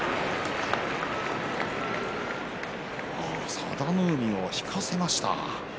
佐田の海を引かせました。